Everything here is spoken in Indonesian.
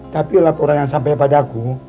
tapi elap orang yang sampai pada aku